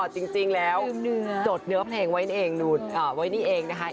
อ้อจริงแล้วจดเนื้อเพลงไว้นี่เองนะคะ